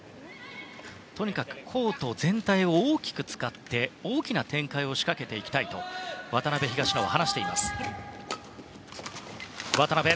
とにかくコート全体を大きく使って大きな展開を仕掛けていきたいと渡辺、東野は話しています。